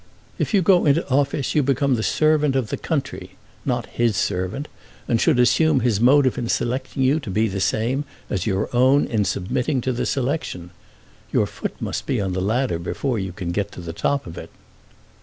If you go into office you become the servant of the country, not his servant, and should assume his motive in selecting you to be the same as your own in submitting to the selection. Your foot must be on the ladder before you can get to the top of it."